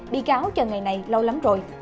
bị cáo chờ ngày này lâu lắm rồi